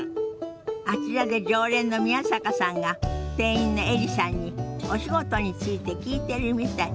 あちらで常連の宮坂さんが店員のエリさんにお仕事について聞いてるみたい。